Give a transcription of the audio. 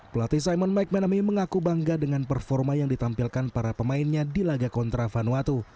pelatih simon mcmanamy mengaku bangga dengan performa yang ditampilkan para pemainnya di laga kontra vanuatu